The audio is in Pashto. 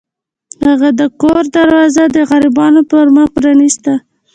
هغه د کور دروازه د غریبانو پر مخ پرانیسته.